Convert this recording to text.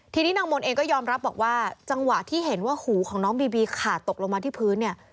ทีนี้นางมนต์เองก็ยอมรับบอกว่าจังหวะที่เห็นว่าหูของน้องบีบีขาดตกลงมาที่พื้นเนี่ย